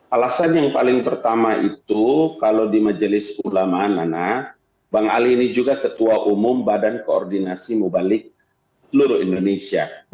alasan yang paling pertama itu kalau di majelis ulama nana bang ali ini juga ketua umum badan koordinasi mubalik seluruh indonesia